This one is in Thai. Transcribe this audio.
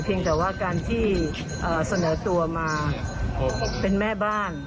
แต่ว่าการที่เสนอตัวมาเป็นแม่บ้าน